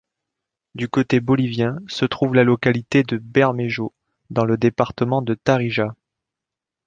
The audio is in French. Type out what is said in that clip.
Du côté bolivien se trouve la localité de Bermejo dans le département de Tarija.